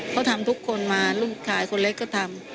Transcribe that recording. เขาทำทุกคนมาลูกชายคนเล็กก็ทำ